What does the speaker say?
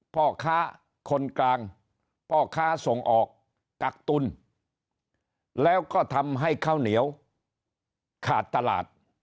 พ่อค้าคนกลางพ่อค้าส่งออกกักตุลแล้วก็ทำให้ข้าวเหนียวขาดตลาด